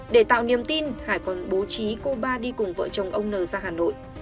để tạo niềm tin hải còn bố trí cô ba đi cùng vợ chồng ông n ra hà nội